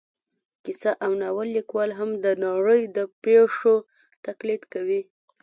کیسه او ناول لیکوال هم د نړۍ د پېښو تقلید کوي